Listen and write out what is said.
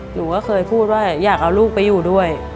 หนูก็เคยพูดว่าอยากเอาลูกไปอยู่ด้วย